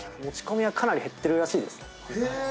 持ち込みはかなり減ってるらしいですよ。